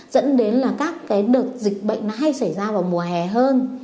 dẫn đến là các cái đợt dịch bệnh hay xảy ra vào mùa hè hơn